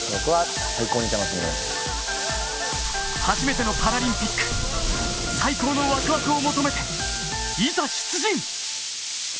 初めてのパラリンピック、最高のワクワクを求めていざ出陣！